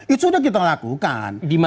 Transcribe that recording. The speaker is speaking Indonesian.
itu sudah kita lakukan